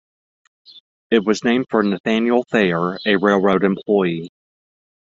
It was named for Nathaniel Thayer, a railroad employee.